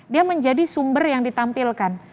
dia menjadi sumber yang ditampilkan